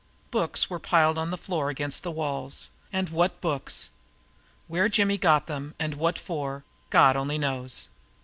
Books were piled on the floor against the walls and what books! Where Jimmy got them and what for, God only knows.